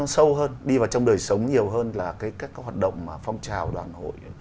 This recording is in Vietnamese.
sâu hơn đi vào trong đời sống nhiều hơn là các hoạt động phong trào đoàn hội